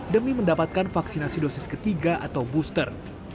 demi mendapatkan vaksinasi dosis ketiga atau booster